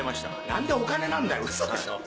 何でお金なんだよウソでしょう。